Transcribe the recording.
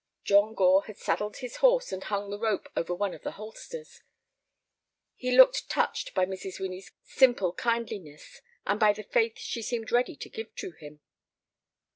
John Gore had saddled his horse and hung the rope over one of the holsters. He looked touched by Mrs. Winnie's simple kindliness, and by the faith she seemed ready to give to him.